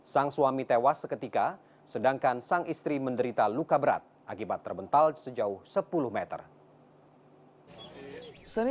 sang suami tewas seketika sedangkan sang istri menderita luka berat akibat terbental sejauh sepuluh meter